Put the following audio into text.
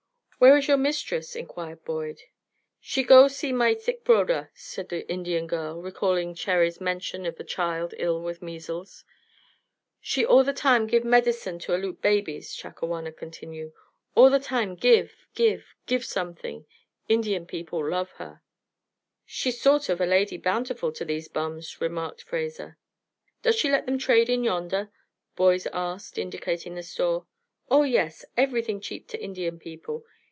"Where is your mistress?" inquired Boyd. "She go see my sick broder," said the Indian girl, recalling Cherry's mention of the child ill with measles. "She all the time give medicine to Aleut babies," Chakawana continued. "All the time give, give, give something. Indian people love her." "She's sort of a Lady Bountiful to these bums," remarked Fraser. "Does she let them trade in yonder?" Boyd asked, indicating the store. "Oh yes! Everything cheap to Indian people.